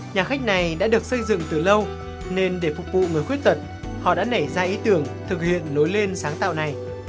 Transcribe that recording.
nhà khách này đã được xây dựng từ lâu nên để phục vụ người khuyết tật họ đã nảy ra ý tưởng thực hiện lối đi ra biển